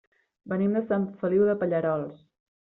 Venim de Sant Feliu de Pallerols.